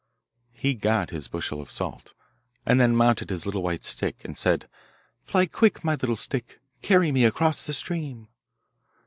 He got his bushel of salt, and then mounted his little white stick, and said, Fly quick, my little stick, Carry me across the stream.